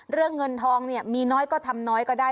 เงินทองเนี่ยมีน้อยก็ทำน้อยก็ได้